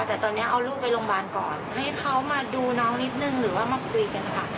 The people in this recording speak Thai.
แต่ตอนนี้เอาลูกไปโรงพยาบาลก่อนให้เขามาดูน้องนิดนึงหรือว่ามาคุยกันค่ะ